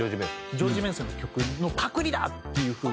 ジョージ・ベンソンの曲のパクリだっていうふうに。